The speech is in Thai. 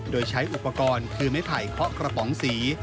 โดยใช้อุปกรณ์คือไม้ไผ่เคาะกระป๋องสี